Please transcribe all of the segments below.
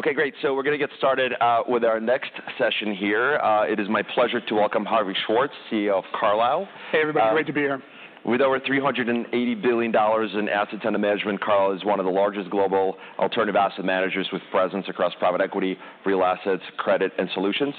Okay, great. So we're going to get started with our next session here. It is my pleasure to welcome Harvey Schwartz, CEO of Carlyle. Hey, everybody. Great to be here. With over $380 billion in assets under management, Carlyle is one of the largest global alternative asset managers with presence across private equity, real assets, credit, and solutions.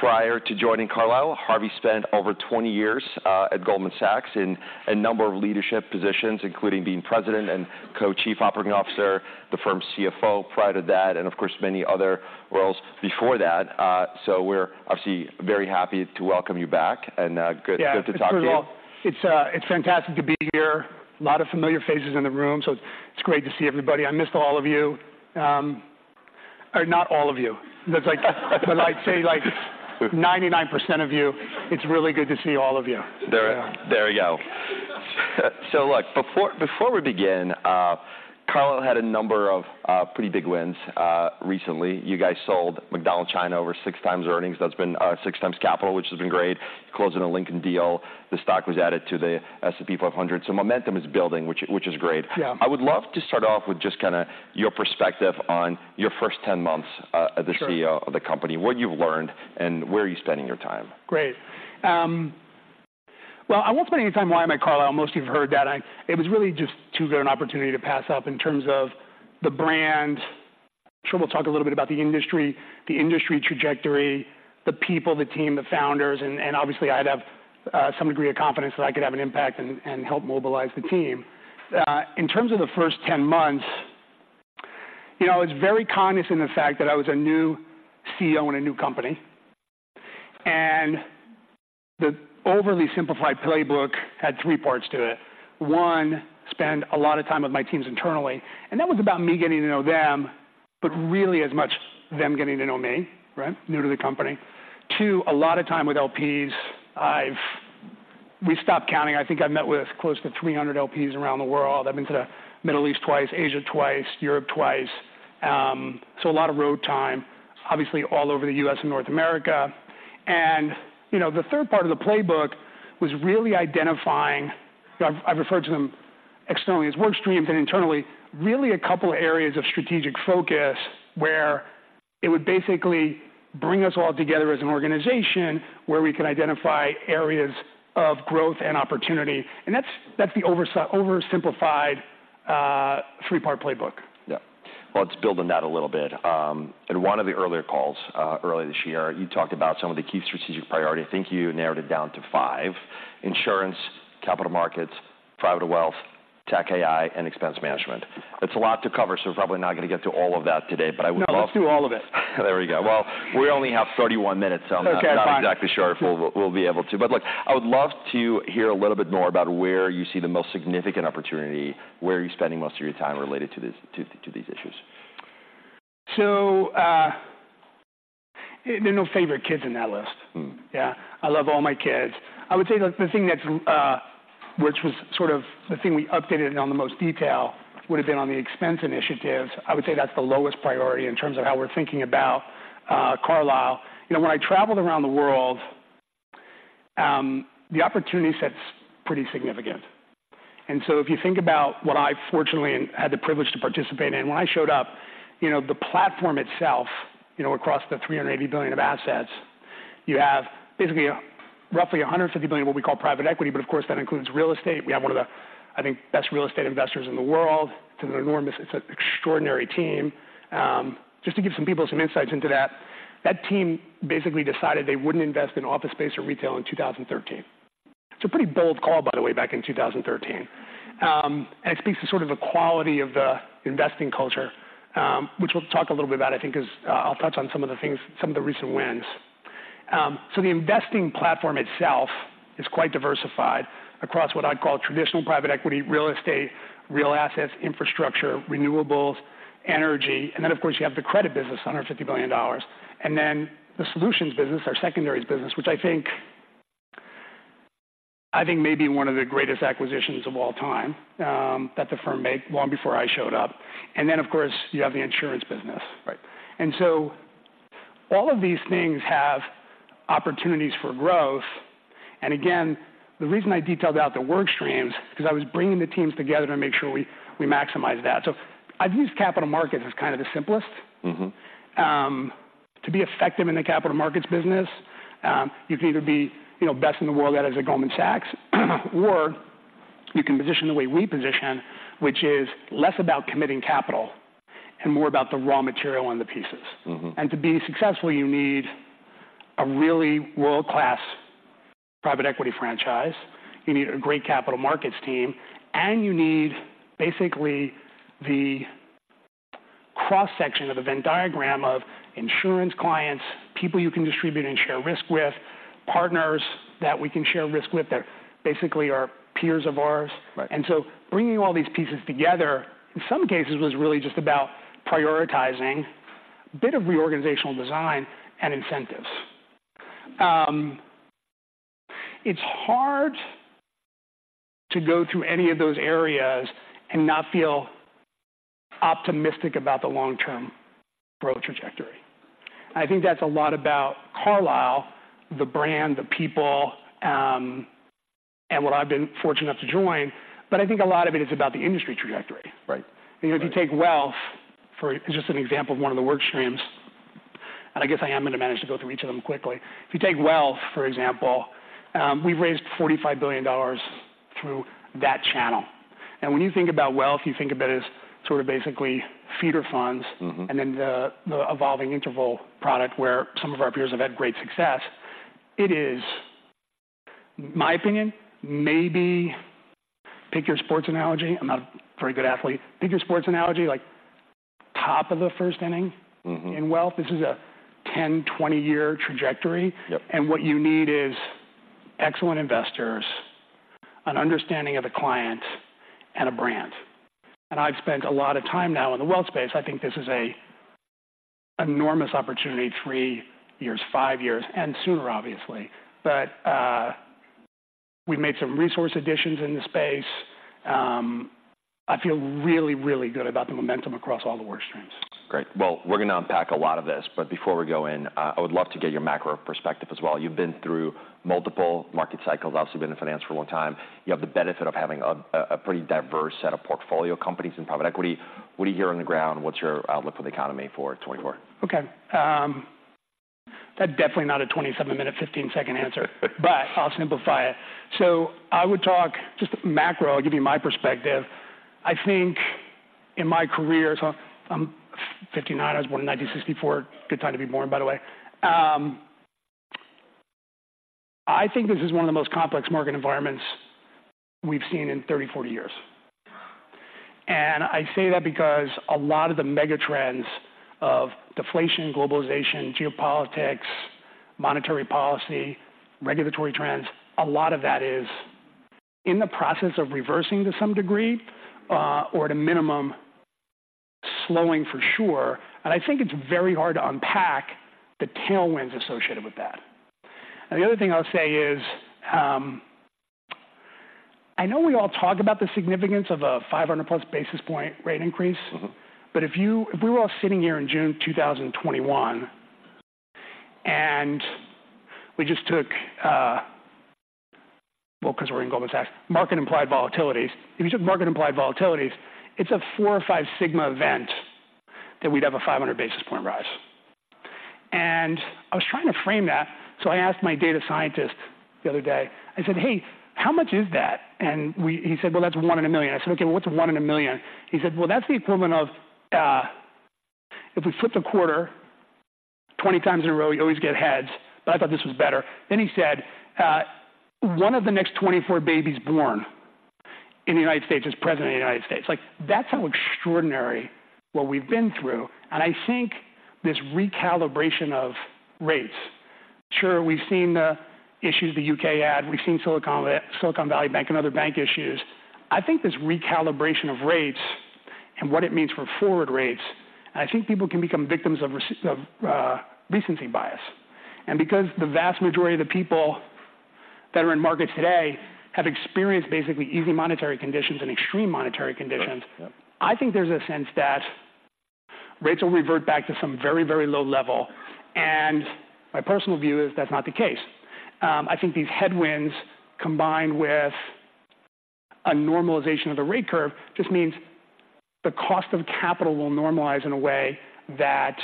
Prior to joining Carlyle, Harvey spent over 20 years at Goldman Sachs in a number of leadership positions, including being President and Co-Chief Operating Officer, the firm's CFO prior to that, and of course, many other roles before that. So we're obviously very happy to welcome you back, and good- Yeah Good to talk to you. First of all, it's fantastic to be here. A lot of familiar faces in the room, so it's great to see everybody. I missed all of you. Not all of you. That's like... But I'd say, like, 99% of you, it's really good to see all of you. There, there you go. So look, before we begin, Carlyle had a number of pretty big wins. Recently, you guys sold McDonald's China over 6x earnings. That's been 6x capital, which has been great. Closing a Lincoln deal, the stock was added to the S&P 500. So momentum is building, which is great. Yeah. I would love to start off with just kinda your perspective on your first 10 months? Sure - As the CEO of the company, what you've learned, and where are you spending your time? Great. Well, I won't spend any time why I'm at Carlyle. Most of you've heard that. It was really just too good an opportunity to pass up in terms of the brand. I'm sure we'll talk a little bit about the industry, the industry trajectory, the people, the team, the founders, and, and obviously, I'd have some degree of confidence that I could have an impact and help mobilize the team. In terms of the first 10 months, you know, I was very cognizant of the fact that I was a new CEO in a new company, and the overly simplified playbook had 3 parts to it. One, spend a lot of time with my teams internally, and that was about me getting to know them, but really as much them getting to know me, right? New to the company to a lot of time with LPs. We stopped counting. I think I've met with close to 300 LPs around the world. I've been to the Middle East twice, Asia twice, Europe twice. So a lot of road time, obviously, all over the U.S. and North America. And, you know, the third part of the playbook was really identifying... I've referred to them externally as work streams and internally, really a couple of areas of strategic focus, where it would basically bring us all together as an organization, where we can identify areas of growth and opportunity. And that's the oversimplified, 3-part playbook. Yeah. Well, let's build on that a little bit. In one of the earlier calls, earlier this year, you talked about some of the key strategic priorities. I think you narrowed it down to five: insurance, capital markets, private wealth, tech AI, and expense management. It's a lot to cover, so we're probably not going to get to all of that today, but I would love- No, let's do all of it. There we go. Well, we only have 31 minutes- Okay, fine. So I'm not exactly sure if we'll be able to. But look, I would love to hear a little bit more about where you see the most significant opportunity. Where are you spending most of your time related to these issues? There are no favorite kids in that list. Mm. Yeah, I love all my kids. I would say, like, the thing that's, which was sort of the thing we updated on the most detail would have been on the expense initiatives. I would say that's the lowest priority in terms of how we're thinking about, Carlyle. You know, when I traveled around the world, the opportunity set's pretty significant. And so if you think about what I fortunately had the privilege to participate in, when I showed up, you know, the platform itself, you know, across the $380 billion of assets, you have basically roughly $150 billion, what we call private equity, but of course, that includes real estate. We have one of the, I think, best real estate investors in the world. It's an enormous... It's an extraordinary team. Just to give some people some insights into that, that team basically decided they wouldn't invest in office space or retail in 2013. It's a pretty bold call, by the way, back in 2013. And it speaks to sort of the quality of the investing culture, which we'll talk a little bit about, I think, as I'll touch on some of the things, some of the recent wins. So the investing platform itself is quite diversified across what I'd call traditional private equity, real estate, real assets, infrastructure, renewables, energy, and then, of course, you have the credit business, under $50 billion. And then the solutions business, our secondaries business, which I think may be one of the greatest acquisitions of all time, that the firm made long before I showed up. And then, of course, you have the insurance business. Right. So all of these things have opportunities for growth. Again, the reason I detailed out the work streams, 'cause I was bringing the teams together to make sure we maximize that. I've used capital markets as kind of the simplest. Mm-hmm. To be effective in the capital markets business, you can either be, you know, best in the world at, as a Goldman Sachs, or you can position the way we position, which is less about committing capital and more about the raw material and the pieces. Mm-hmm. And to be successful, you need a really... World-class private equity franchise, you need a great capital markets team, and you need basically the cross-section of a Venn diagram of insurance clients, people you can distribute and share risk with, partners that we can share risk with, that basically are peers of ours. Right. Bringing all these pieces together, in some cases, was really just about prioritizing a bit of reorganizational design and incentives. It's hard to go through any of those areas and not feel optimistic about the long-term growth trajectory.... I think that's a lot about Carlyle, the brand, the people, and what I've been fortunate enough to join. But I think a lot of it is about the industry trajectory. Right. If you take wealth, for just an example of one of the work streams, and I guess I am going to manage to go through each of them quickly. If you take wealth, for example, we've raised $45 billion through that channel. And when you think about wealth, you think about it as sort of basically feeder funds- Mm-hmm. -and then the evolving interval product, where some of our peers have had great success. It is my opinion, maybe pick your sports analogy. I'm not a very good athlete. Pick your sports analogy, like top of the first inning- Mm-hmm. in wealth. This is a 10-20-year trajectory. Yep. What you need is? excellent investors, an understanding of the client, and a brand. I've spent a lot of time now in the wealth space. I think this is an enormous opportunity, three years, five years, and sooner, obviously. But, we've made some resource additions in the space. I feel really, really good about the momentum across all the work streams. Great. Well, we're going to unpack a lot of this, but before we go in, I would love to get your macro perspective as well. You've been through multiple market cycles, obviously, been in finance for a long time. You have the benefit of having a pretty diverse set of portfolio companies in private equity. What do you hear on the ground? What's your outlook for the economy for 2024? Okay, that's definitely not a 27-minute, 15-second answer, but I'll simplify it. So I would talk just macro. I'll give you my perspective. I think in my career, so I'm 59. I was born in 1964. Good time to be born, by the way. I think this is one of the most complex market environments we've seen in 30, 40 years. And I say that because a lot of the megatrends of deflation, globalization, geopolitics, monetary policy, regulatory trends, a lot of that is in the process of reversing to some degree, or at a minimum, slowing for sure. And I think it's very hard to unpack the tailwinds associated with that. And the other thing I'll say is, I know we all talk about the significance of a 500+ basis point rate increase- Mm-hmm. But if you, if we were all sitting here in June 2021, and we just took, well, because we're in Goldman Sachs, market implied volatilities. If you took market implied volatilities, it's a 4 or 5 sigma event that we'd have a 500 basis point rise. And I was trying to frame that, so I asked my data scientist the other day, I said, "Hey, how much is that?" And he said, "Well, that's one in a million." I said, "Okay, what's one in a million?" He said, "Well, that's the equivalent of, if we flipped a quarter 20 times in a row, you'd always get heads," but I thought this was better. Then he said, "One of the next 24 babies born in the United States is President of the United States." Like, that's how extraordinary what we've been through, and I think this recalibration of rates... Sure, we've seen the issues the UK had. We've seen Silicon Valley Bank and other bank issues. I think this recalibration of rates and what it means for forward rates, and I think people can become victims of recency bias. And because the vast majority of the people that are in markets today have experienced basically easy monetary conditions and extreme monetary conditions- Yep. I think there's a sense that rates will revert back to some very, very low level, and my personal view is that's not the case. I think these headwinds, combined with a normalization of the rate curve, just means the cost of capital will normalize in a way that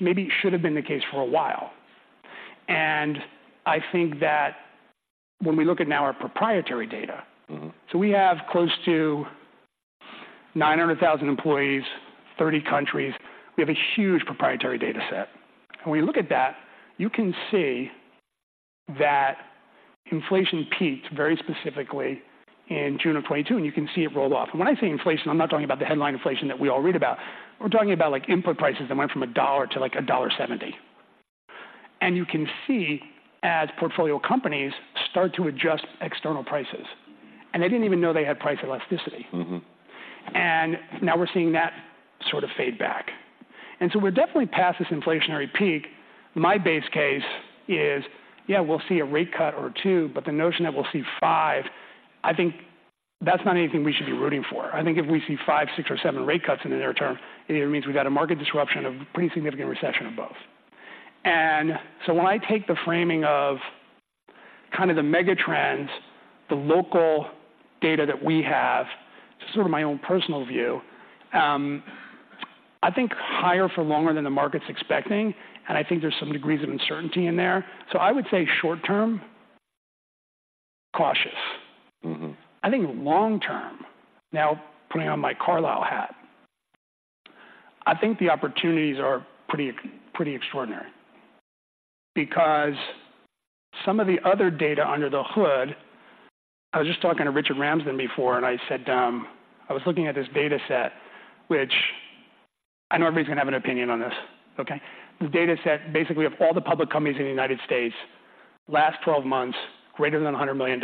maybe should have been the case for a while. And I think that when we look at now our proprietary data- Mm-hmm. So we have close to 900,000 employees, 30 countries. We have a huge proprietary data set. When you look at that, you can see that inflation peaked very specifically in June 2022, and you can see it roll off. And when I say inflation, I'm not talking about the headline inflation that we all read about. We're talking about, like, input prices that went from $1 to, like, $1.70. And you can see as portfolio companies start to adjust external prices, and they didn't even know they had price elasticity. Mm-hmm. And now we're seeing that sort of fade back. And so we're definitely past this inflationary peak. My base case is, yeah, we'll see a rate cut or two, but the notion that we'll see five, I think that's not anything we should be rooting for. I think if we see five, six, or seven rate cuts in the near term, it means we've got a market disruption, a pretty significant recession, or both. And so when I take the framing of kind of the mega trends, the local data that we have, this is sort of my own personal view, I think higher for longer than the market's expecting, and I think there's some degrees of uncertainty in there. So I would say short term, cautious. Mm-hmm. I think long term, now putting on my Carlyle hat, I think the opportunities are pretty, pretty extraordinary because some of the other data under the hood... I was just talking to Richard Ramsden before, and I said, I was looking at this data set, which I know everybody's going to have an opinion on this, okay? The data set basically of all the public companies in the United States, last twelve months, greater than $100 million,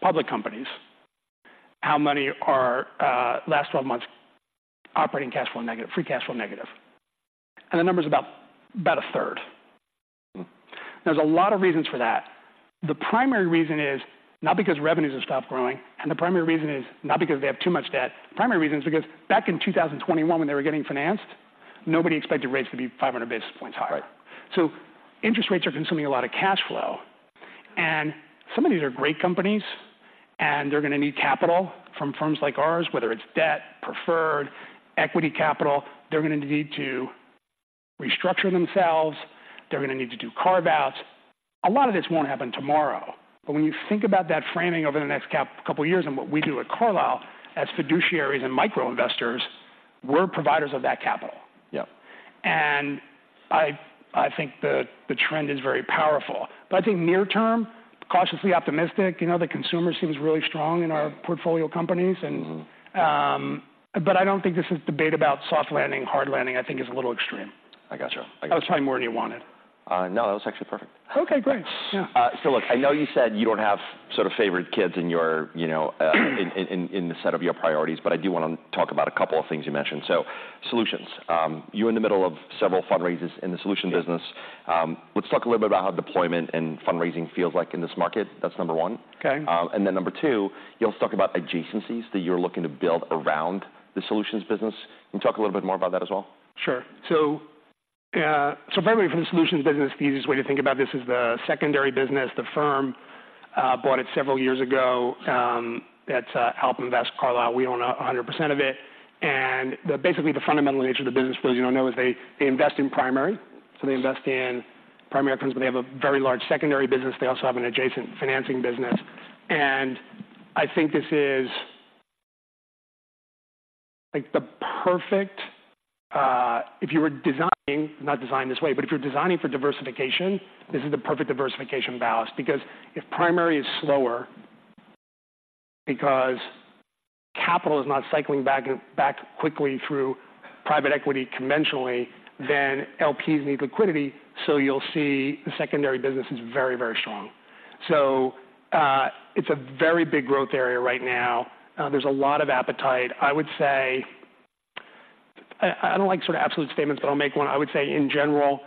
public companies, how many are, last twelve months, operating cash flow negative, free cash flow negative? And the number is about, about a third.... There's a lot of reasons for that. The primary reason is not because revenues have stopped growing, and the primary reason is not because they have too much debt. The primary reason is because back in 2021, when they were getting financed, nobody expected rates to be 500 basis points higher. Right. So interest rates are consuming a lot of cash flow, and some of these are great companies, and they're going to need capital from firms like ours, whether it's debt, preferred, equity capital. They're going to need to restructure themselves. They're going to need to do carve-outs. A lot of this won't happen tomorrow, but when you think about that framing over the next couple of years and what we do at Carlyle as fiduciaries and micro investors, we're providers of that capital. Yep. I think the trend is very powerful, but I think near term, cautiously optimistic. You know, the consumer seems really strong in our portfolio companies, and- Mm-hmm. But I don't think this is debate about soft landing, hard landing. I think is a little extreme. I got you. I got you. I was probably more than you wanted. No, that was actually perfect. Okay, great. Yeah. So look, I know you said you don't have sort of favorite kids in your, you know, in the set of your priorities, but I do want to talk about a couple of things you mentioned. So solutions. You're in the middle of several fundraisers in the solution business. Yeah. Let's talk a little bit about how deployment and fundraising feels like in this market. That's number one. Okay. And then number 2, you'll talk about adjacencies that you're looking to build around the solutions business. Can you talk a little bit more about that as well? Sure. So, primary from the solutions business, the easiest way to think about this is the secondary business. The firm bought it several years ago, AlpInvest Carlyle. We own 100% of it, and the... Basically, the fundamental nature of the business, as you all know, is they invest in primary. So they invest in primary firms, but they have a very large secondary business. They also have an adjacent financing business, and I think this is, like, the perfect, if you were designing, not designed this way, but if you're designing for diversification, this is the perfect diversification ballast. Because if primary is slower, because capital is not cycling back quickly through private equity conventionally, then LPs need liquidity, so you'll see the secondary business is very, very strong. So, it's a very big growth area right now. There's a lot of appetite. I would say... I don't like sort of absolute statements, but I'll make one. I would say, in general,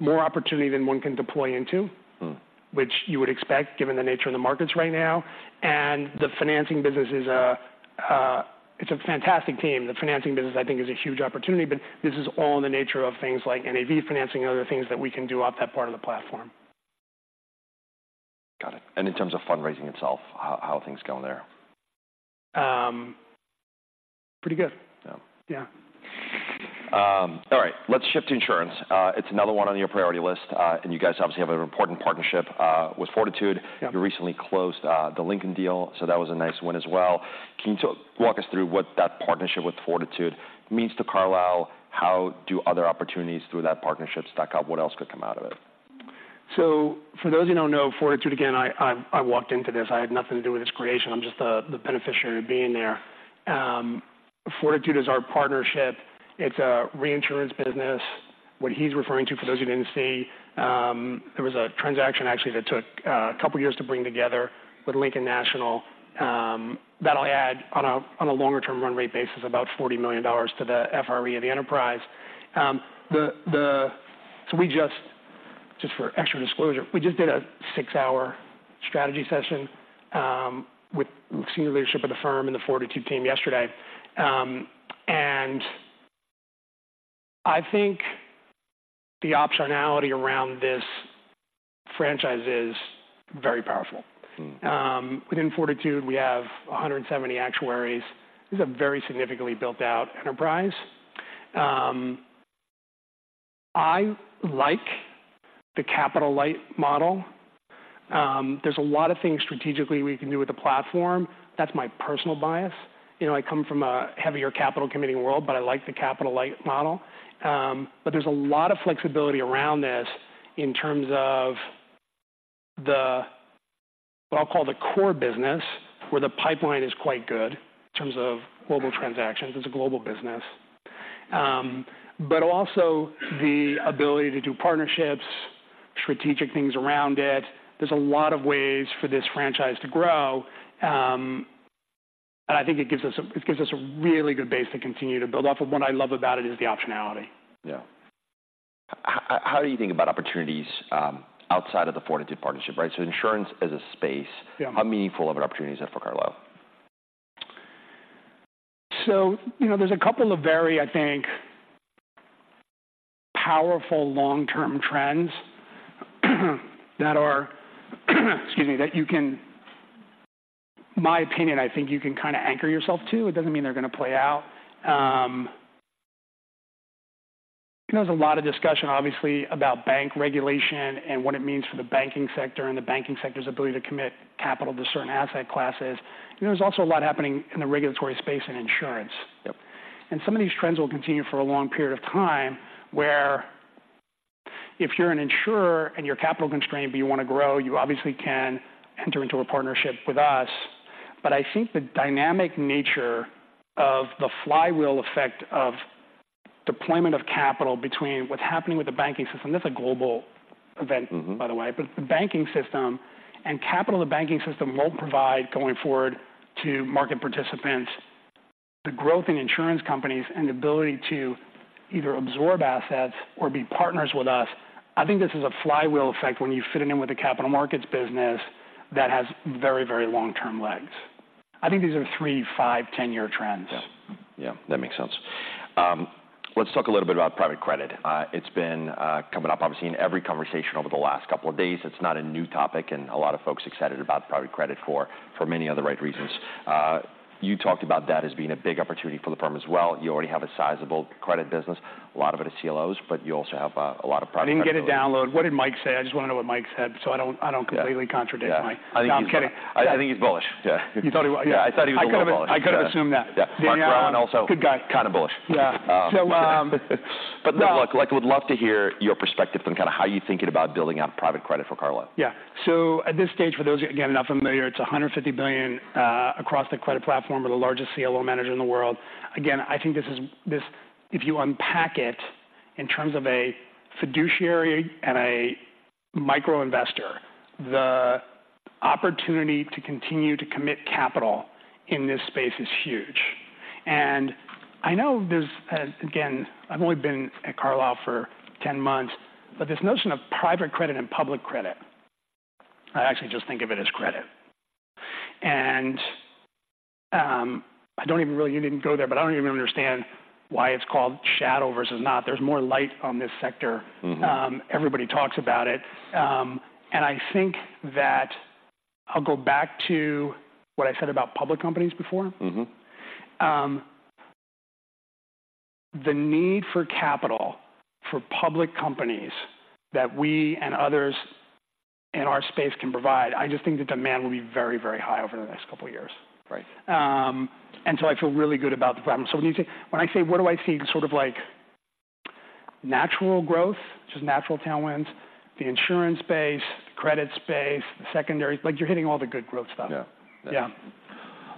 more opportunity than one can deploy into- Mm. which you would expect, given the nature of the markets right now. And the financing business is a, it's a fantastic team. The financing business, I think, is a huge opportunity, but this is all in the nature of things like NAV financing and other things that we can do off that part of the platform. Got it. And in terms of fundraising itself, how, how are things going there? Pretty good. Yeah. Yeah. All right, let's shift to insurance. It's another one on your priority list, and you guys obviously have an important partnership with Fortitude. Yeah. You recently closed the Lincoln deal, so that was a nice win as well. Can you walk us through what that partnership with Fortitude means to Carlyle? How do other opportunities through that partnership stack up? What else could come out of it? So for those who don't know, Fortitude, again, I walked into this. I had nothing to do with its creation. I'm just the beneficiary of being there. Fortitude is our partnership. It's a reinsurance business. What he's referring to, for those who didn't see, there was a transaction actually that took a couple of years to bring together with Lincoln National, that'll add on a longer-term run rate basis, about $40 million to the FRE of the enterprise. So, just for extra disclosure, we just did a 6-hour strategy session with senior leadership of the firm and the Fortitude team yesterday. And I think the optionality around this franchise is very powerful. Mm. Within Fortitude, we have 170 actuaries. This is a very significantly built-out enterprise. I like the capital light model. There's a lot of things strategically we can do with the platform. That's my personal bias. You know, I come from a heavier capital committing world, but I like the capital light model. But there's a lot of flexibility around this in terms of the, what I'll call the core business, where the pipeline is quite good in terms of global transactions. It's a global business. But also the ability to do partnerships, strategic things around it. There's a lot of ways for this franchise to grow, and I think it gives us a, it gives us a really good base to continue to build off of. What I love about it is the optionality. Yeah. How do you think about opportunities outside of the Fortitude partnership, right? So insurance as a space- Yeah. How meaningful of an opportunity is that for Carlyle? So you know, there's a couple of very, I think, powerful long-term trends that, excuse me, you can anchor yourself to. My opinion, I think you can kinda anchor yourself to. It doesn't mean they're going to play out. There's a lot of discussion, obviously, about bank regulation and what it means for the banking sector and the banking sector's ability to commit capital to certain asset classes. You know, there's also a lot happening in the regulatory space in insurance. Yep. Some of these trends will continue for a long period of time, where if you're an insurer and you're capital constrained, but you want to grow, you obviously can enter into a partnership with us. I think the dynamic nature of the flywheel effect of deployment of capital between what's happening with the banking system, that's a global event- Mm-hmm. By the way, but the banking system and capital of the banking system won't provide going forward to market participants, the growth in insurance companies and the ability to either absorb assets or be partners with us, I think this is a flywheel effect when you fit it in with the capital markets business that has very, very long-term legs. I think these are 3, 5, 10-year trends. Yeah. Yeah, that makes sense. Let's talk a little bit about private credit. It's been coming up obviously in every conversation over the last couple of days. It's not a new topic, and a lot of folks are excited about private credit for many of the right reasons. You talked about that as being a big opportunity for the firm as well. You already have a sizable credit business. A lot of it is CLOs, but you also have a lot of private- I didn't get a download. What did Mike say? I just want to know what Mike said, so I don't, I don't completely contradict Mike. Yeah. No, I'm kidding. I think he's bullish. Yeah. You thought he would... Yeah. I thought he was a little bullish. I could have assumed that. Yeah. Yeah. Mark Rowan, also- Good guy. Kind of bullish. Yeah. Um, So, no. But look, like, we would love to hear your perspective on kinda how you're thinking about building out private credit for Carlyle. Yeah. So at this stage, for those, again, not familiar, it's $150 billion across the credit platform. We're the largest CLO manager in the world. Again, I think this is... If you unpack it in terms of a fiduciary and a micro investor, the opportunity to continue to commit capital in this space is huge. And I know there's. Again, I've only been at Carlyle for 10 months, but this notion of private credit and public credit, I actually just think of it as credit. And I don't even really... You didn't go there, but I don't even understand why it's called shadow versus not. There's more light on this sector. Mm-hmm. Everybody talks about it. I think that I'll go back to what I said about public companies before. Mm-hmm. The need for capital for public companies that we and others in our space can provide, I just think the demand will be very, very high over the next couple of years. Right. I feel really good about the problem. So when I say, what do I see, sort of like natural growth, just natural tailwinds, the insurance space, credit space, the secondary, like, you're hitting all the good growth stuff. Yeah. Yeah.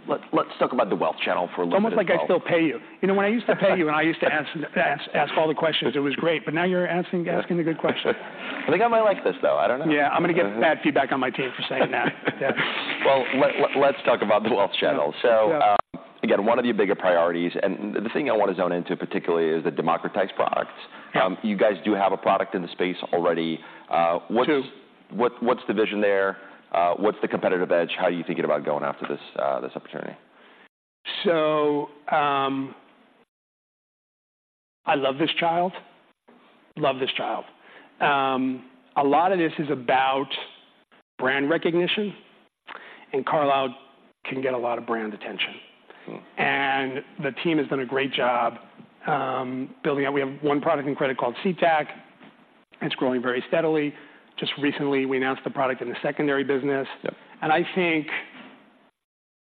Let's talk about the wealth channel for a little bit as well. It's almost like I still pay you. You know, when I used to pay you - and I used to answer, ask all the questions, it was great, but now you're asking the good questions. I think I might like this, though. I don't know. Yeah, I'm going to get bad feedback on my team for saying that. Yeah. Well, let's talk about the wealth channel. Yeah. So, again, one of your bigger priorities, and the thing I want to zone into particularly is the democratized products. Yeah. You guys do have a product in the space already. What's- True. What, what's the vision there? What's the competitive edge? How are you thinking about going after this, this opportunity? I love this child. Love this child. A lot of this is about brand recognition, and Carlyle can get a lot of brand attention. Mm-hmm. The team has done a great job, building out. We have one product in credit called CTAC. It's growing very steadily. Just recently, we announced a product in the secondary business. Yeah. I think...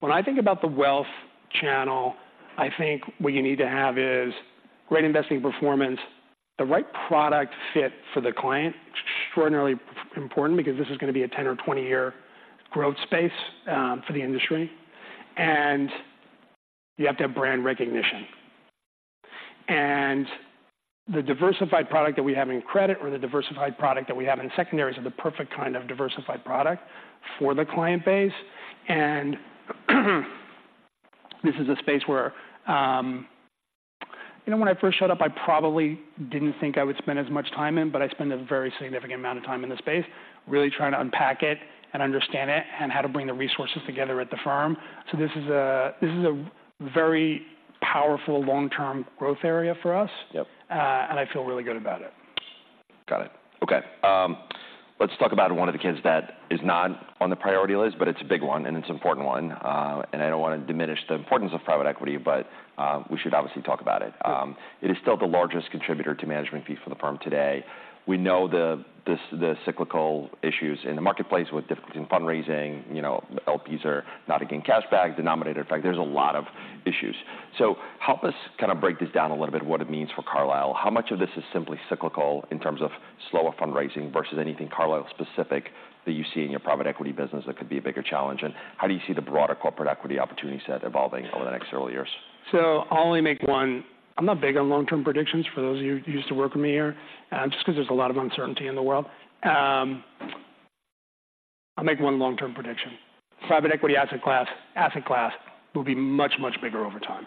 When I think about the wealth channel, I think what you need to have is great investing performance, the right product fit for the client. Extraordinarily important, because this is going to be a 10- or 20-year growth space for the industry, and you have to have brand recognition. The diversified product that we have in credit or the diversified product that we have in secondaries are the perfect kind of diversified product for the client base. This is a space where... You know, when I first showed up, I probably didn't think I would spend as much time in, but I spend a very significant amount of time in this space, really trying to unpack it and understand it and how to bring the resources together at the firm. So this is a very powerful long-term growth area for us. Yep. I feel really good about it. Got it. Okay, let's talk about one of the kids that is not on the priority list, but it's a big one, and it's an important one. And I don't want to diminish the importance of private equity, but we should obviously talk about it. Sure. It is still the largest contributor to management fee for the firm today. We know the cyclical issues in the marketplace with difficulty in fundraising. You know, LPs are not getting cash back, Denominator Effect. There's a lot of issues. So help us kind of break this down a little bit, what it means for Carlyle. How much of this is simply cyclical in terms of slower fundraising versus anything Carlyle specific that you see in your private equity business that could be a bigger challenge? And how do you see the broader corporate equity opportunity set evolving over the next several years? So I'll only make one... I'm not big on long-term predictions for those of you who used to work with me here, just because there's a lot of uncertainty in the world. I'll make one long-term prediction. Private equity asset class, asset class will be much, much bigger over time.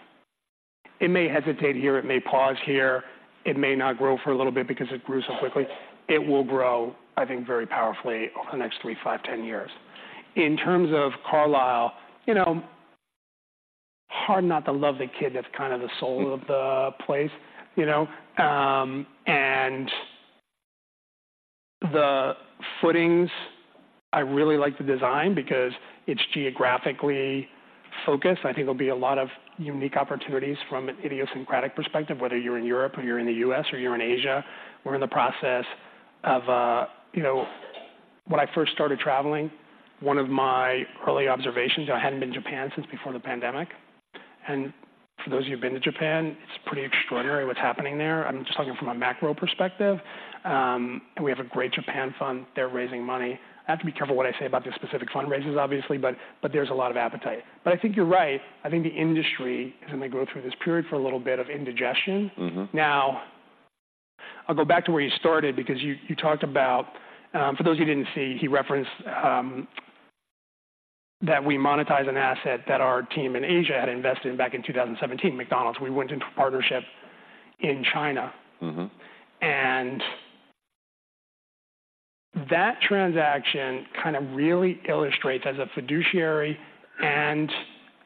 It may hesitate here, it may pause here, it may not grow for a little bit because it grew so quickly. It will grow, I think, very powerfully over the next three, five, ten years. In terms of Carlyle, you know, hard not to love the kid that's kind of the soul of the place, you know? And the footings, I really like the design because it's geographically focused. I think there'll be a lot of unique opportunities from an idiosyncratic perspective, whether you're in Europe or you're in the U.S. or you're in Asia. We're in the process of, you know, when I first started traveling, one of my early observations, I hadn't been to Japan since before the pandemic, and for those of you who've been to Japan, it's pretty extraordinary what's happening there. I'm just talking from a macro perspective. We have a great Japan fund. They're raising money. I have to be careful what I say about the specific fundraisers, obviously, but there's a lot of appetite. But I think you're right. I think the industry is going to go through this period for a little bit of indigestion. Mm-hmm. I'll go back to where you started because you talked about, for those who didn't see, he referenced that we monetize an asset that our team in Asia had invested in back in 2017, McDonald's. We went into partnership in China. Mm-hmm. That transaction kind of really illustrates, as a fiduciary and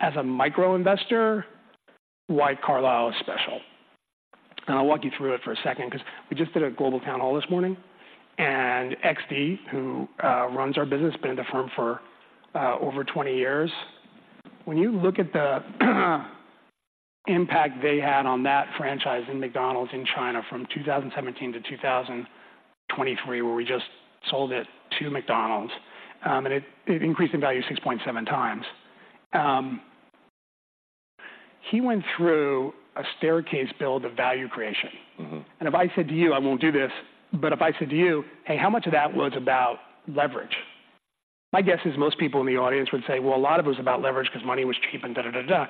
as a micro investor, why Carlyle is special. I'll walk you through it for a second 'cause we just did a global town hall this morning, and X.D., who runs our business, been in the firm for over 20 years. When you look at the impact they had on that franchise in McDonald's in China from 2017 to 2023, where we just sold it to McDonald's, and it increased in value 6.7 times. He went through a staircase build of value creation. Mm-hmm. If I said to you, I won't do this, but if I said to you, "Hey, how much of that was about leverage?" My guess is most people in the audience would say, "Well, a lot of it was about leverage 'cause money was cheap, and da, da, da, da."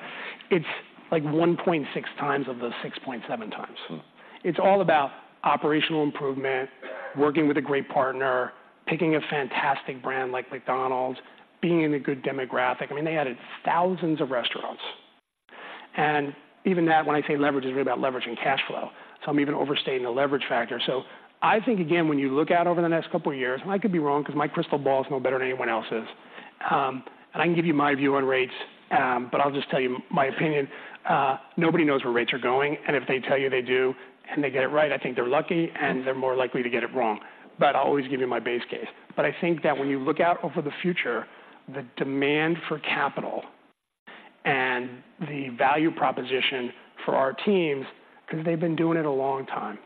It's like 1.6x of the 6.7x. Mm. It's all about operational improvement, working with a great partner, picking a fantastic brand like McDonald's, being in a good demographic. I mean, they added thousands of restaurants, and even that, when I say leverage, is really about leveraging cash flow, so I'm even overstating the leverage factor. So I think, again, when you look out over the next couple of years, and I could be wrong 'cause my crystal ball is no better than anyone else's, and I can give you my view on rates, but I'll just tell you my opinion. Nobody knows where rates are going, and if they tell you they do, and they get it right, I think they're lucky, and they're more likely to get it wrong. But I'll always give you my base case. But I think that when you look out over the future, the demand for capital and the value proposition for our teams, 'cause they've been doing it a long time,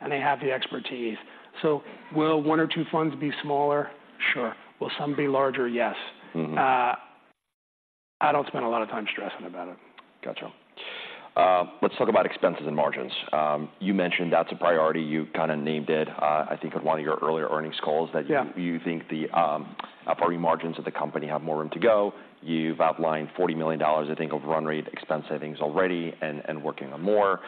and they have the expertise. So will one or two funds be smaller? Sure. Will some be larger? Yes. Mm-hmm. I don't spend a lot of time stressing about it. Gotcha. Let's talk about expenses and margins. You mentioned that's a priority. You kind of named it, I think, in one of your earlier earnings calls- Yeah -that you think the operating margins of the company have more room to go. You've outlined $40 million, I think, of run rate expense savings already and working on more.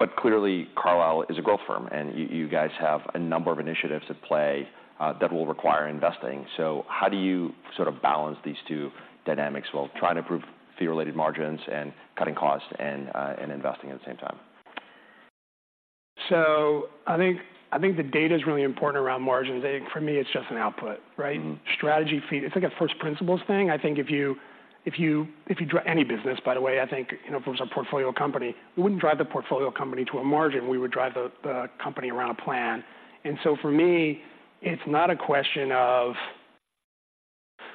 But clearly, Carlyle is a growth firm, and you guys have a number of initiatives at play that will require investing. So how do you sort of balance these two dynamics while trying to improve fee-related margins and cutting costs and investing at the same time? I think, I think the data's really important around margins. I think for me, it's just an output, right? Mm. Strategy fee... It's like a first principles thing. Any business, by the way, I think, you know, if it was a portfolio company, we wouldn't drive the portfolio company to a margin. We would drive the company around a plan. And so for me, it's not a question of,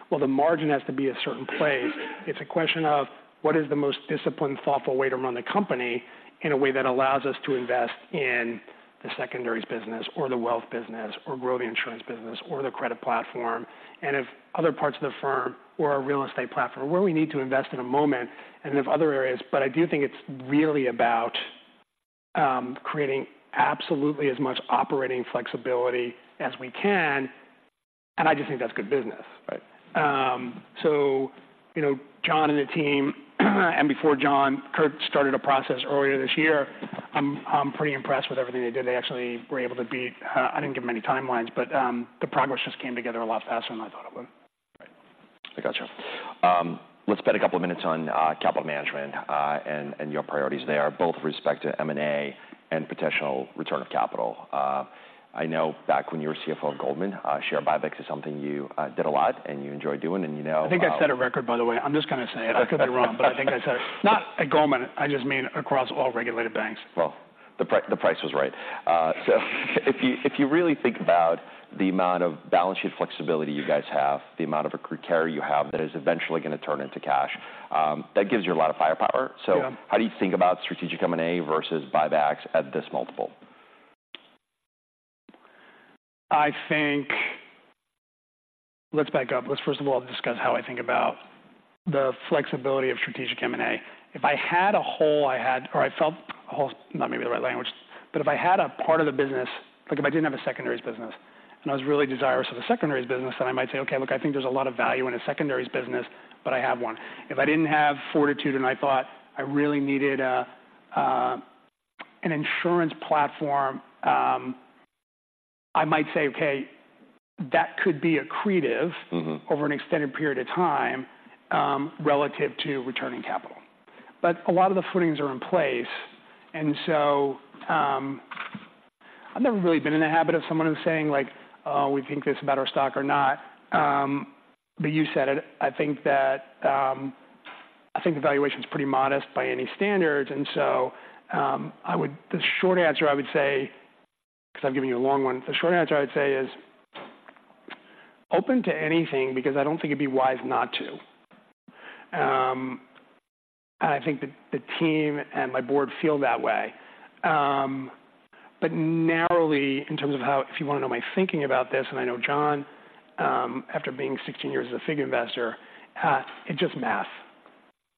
well, the margin has to be a certain place. It's a question of what is the most disciplined, thoughtful way to run the company in a way that allows us to invest in the secondaries business or the wealth business, or grow the insurance business or the credit platform, and if other parts of the firm or our real estate platform, where we need to invest in a moment and in other areas. But I do think it's really about creating absolutely as much operating flexibility as we can, and I just think that's good business. Right. So, you know, John and the team, and before John, Curt started a process earlier this year. I'm, I'm pretty impressed with everything they did. They actually were able to beat. I didn't give them any timelines, but the progress just came together a lot faster than I thought it would. Right. I gotcha. Let's spend a couple of minutes on capital management and your priorities there, both with respect to M&A and potential return of capital. I know back when you were CFO at Goldman, share buybacks is something you did a lot and you enjoyed doing, and, you know, I think I set a record, by the way. I'm just gonna say it. I could be wrong, but I think I set it. Not at Goldman, I just mean across all regulated banks. Well, the price was right. So if you, if you really think about the amount of balance sheet flexibility you guys have, the amount of accrued carry you have that is eventually gonna turn into cash, that gives you a lot of firepower. Yeah. How do you think about strategic M&A versus buybacks at this multiple? I think... Let's back up. Let's first of all discuss how I think about the flexibility of strategic M&A. If I had a hole, or I felt— a hole is not maybe the right language, but if I had a part of the business, like if I didn't have a secondaries business and I was really desirous of a secondaries business, then I might say, "Okay, look, I think there's a lot of value in a secondaries business," but I have one. If I didn't have Fortitude and I thought I really needed an insurance platform, I might say, "Okay, that could be accretive- Mm-hmm over an extended period of time, relative to returning capital." But a lot of the footings are in place, and so, I've never really been in the habit of someone who's saying, like, "Oh, we think this about our stock or not." But you said it. I think that... I think the valuation's pretty modest by any standards, and so, I would- the short answer, I would say, because I've given you a long one, the short answer I'd say is, "Open to anything, because I don't think it'd be wise not to." And I think the, the team and my board feel that way. But narrowly, in terms of how- if you want to know my thinking about this, and I know John, after being 16 years as a FIG investor, it's just math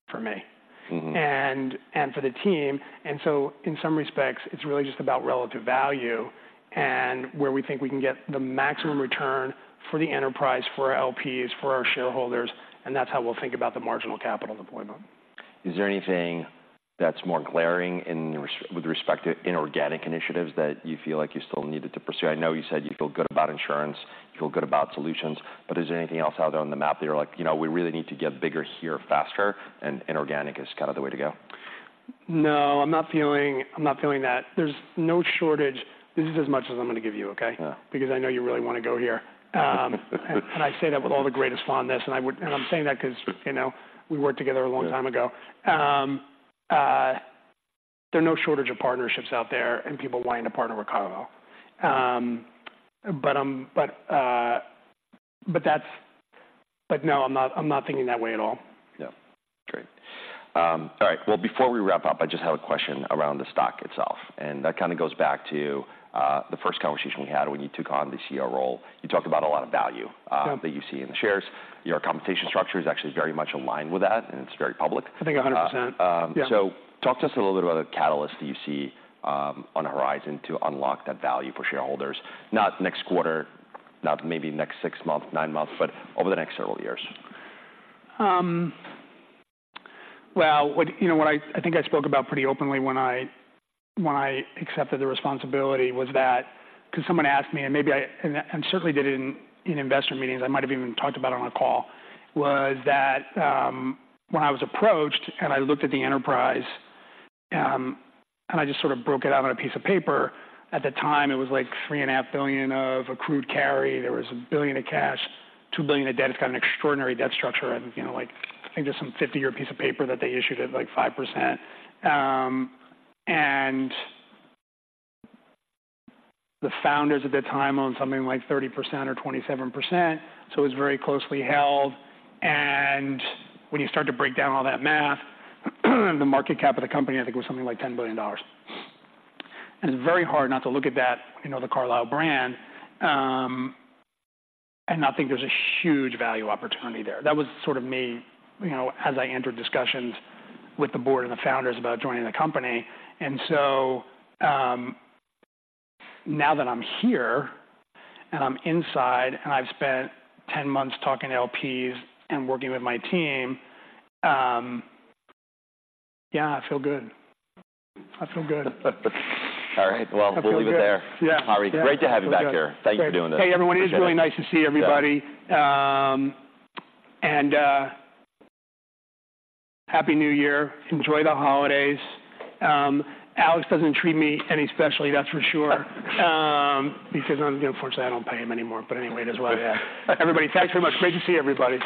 for me- Mm-hmm... and for the team. And so in some respects, it's really just about relative value and where we think we can get the maximum return for the enterprise, for our LPs, for our shareholders, and that's how we'll think about the marginal capital deployment.... Is there anything that's more glaring with respect to inorganic initiatives that you feel like you still needed to pursue? I know you said you feel good about insurance, you feel good about solutions, but is there anything else out there on the map that you're like, "You know, we really need to get bigger here faster, and inorganic is kind of the way to go? No, I'm not feeling, I'm not feeling that. There's no shortage... This is as much as I'm gonna give you, okay? Yeah. Because I know you really wanna go here. And I say that with all the greatest fondness, and I'm saying that 'cause, you know, we worked together a long time ago. There are no shortage of partnerships out there and people wanting to partner with Carlyle. But no, I'm not, I'm not thinking that way at all. Yeah. Great. All right. Well, before we wrap up, I just have a question around the stock itself, and that kind of goes back to the first conversation we had when you took on the CEO role. You talked about a lot of value- Yeah that you see in the shares. Your compensation structure is actually very much aligned with that, and it's very public. I think 100%. Um- Yeah. So talk to us a little bit about the catalysts that you see, on the horizon to unlock that value for shareholders. Not next quarter, not maybe next six months, nine months, but over the next several years. Well, you know, what I think I spoke about pretty openly when I accepted the responsibility was that—'cause someone asked me, and maybe I certainly did in investor meetings, I might have even talked about it on a call, was that, when I was approached, and I looked at the enterprise, and I just sort of broke it out on a piece of paper. At the time, it was like $3.5 billion of accrued carry. There was $1 billion in cash, $2 billion in debt. It's kind of an extraordinary debt structure and, you know, like, I think there's some 50-year piece of paper that they issued at, like, 5%. And the founders at the time owned something like 30% or 27%, so it was very closely held. When you start to break down all that math, the market cap of the company, I think, was something like $10 billion. It's very hard not to look at that, you know, the Carlyle brand, and not think there's a huge value opportunity there. That was sort of me, you know, as I entered discussions with the board and the founders about joining the company. So, now that I'm here, and I'm inside, and I've spent 10 months talking to LPs and working with my team, yeah, I feel good. I feel good. All right. I feel good. Well, we'll leave it there. Yeah. Harvey, great to have you back here. Feel good. Thank you for doing this. Hey, everyone, it is really nice to see everybody. Yeah. Happy New Year. Enjoy the holidays. Alex doesn't treat me any specially, that's for sure. Because, unfortunately, I don't pay him anymore, but anyway, that's why. Yeah. Everybody, thanks very much. Great to see everybody.